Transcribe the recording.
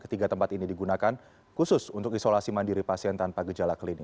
ketiga tempat ini digunakan khusus untuk isolasi mandiri pasien tanpa gejala klinis